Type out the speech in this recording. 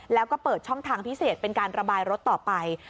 แล้วก็เปิดช่องทางพิเศษเป็นการระบายรถต่อไป